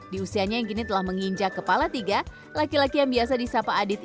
di usia yang gini telah menginjak kepala tiga laki laki yang biasa di sapa adit ini menjadi tiga still